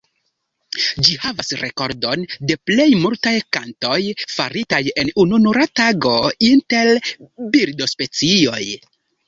Ĝi havas rekordon de plej multaj kantoj faritaj en ununura tago inter birdospecioj.